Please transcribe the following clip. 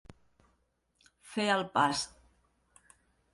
Fer el pas.